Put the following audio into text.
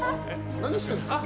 何してるんですか？